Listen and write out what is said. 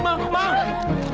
mama kenapa sih